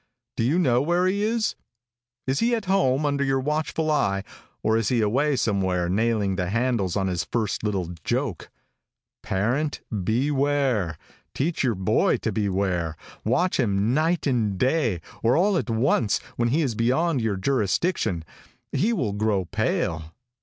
"Do you know where he is? Is he at home under your watchful eye, or is he away somewhere nailing the handles on his first little joke? Parent, beware. Teach your boy to beware. Watch him night and day, or all at once, when he is beyond your jurisdiction, he will grow pale.